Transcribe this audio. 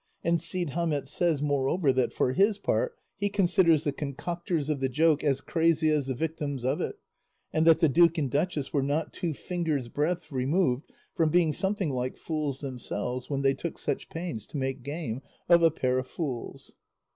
And Cide Hamete says, moreover, that for his part he considers the concocters of the joke as crazy as the victims of it, and that the duke and duchess were not two fingers' breadth removed from being something like fools themselves when they took such pains to make game of a pair of fools.